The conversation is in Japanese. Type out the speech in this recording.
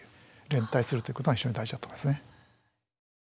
連帯するということが非常に大事だと思いますね。